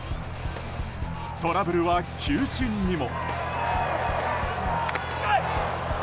トラブルは球審にも。